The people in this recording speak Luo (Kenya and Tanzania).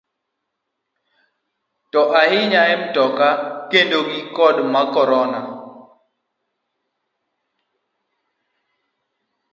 To ahinya e mtoka kinde gi mag korona.